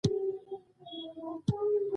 څومره لیرې دی؟